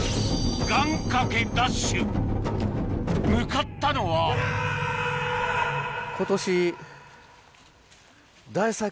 向かったのは今年。